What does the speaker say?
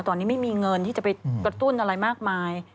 ตอนนี้ไม่มีเงินที่จะไปกระตุ้นอะไรมากมาย